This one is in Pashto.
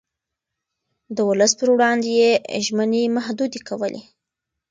د ولس پر وړاندې يې ژمنې محدودې کولې.